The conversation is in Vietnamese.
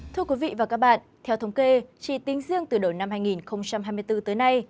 thưa quý vị và các bạn theo thống kê chỉ tính riêng từ đầu năm hai nghìn hai mươi bốn tới nay